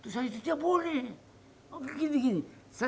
saya itu dia boleh gini gini